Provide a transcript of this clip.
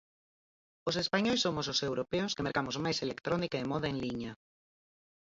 Os españois somos os europeos que mercamos máis electrónica e moda en liña.